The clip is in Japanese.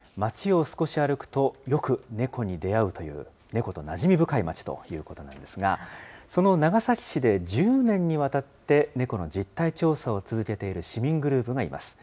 坂道が多い長崎市は、町を少し歩くと、よく猫に出会うという、猫となじみ深い町ということなんですが、その長崎市で１０年にわたって猫の実態調査を続けている市民グループがいます。